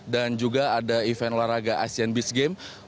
dan juga ada event olahraga asian games